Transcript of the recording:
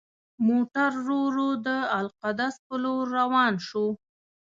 موټر ورو ورو د القدس په لور روان شو.